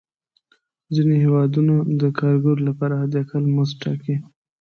ځینې هېوادونه د کارګرو لپاره حد اقل مزد ټاکي.